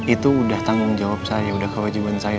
itu udah tanggung jawab saya udah kewajiban saya